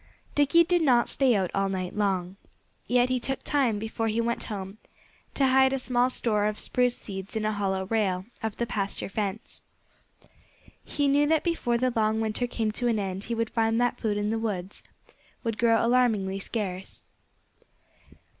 Dickie did not stay out all night long. Yet he took time, before he went home, to hide a small store of spruce seeds in a hollow rail of the pasture fence. He knew that before the long winter came to an end he would find that food in the woods would grow alarmingly scarce.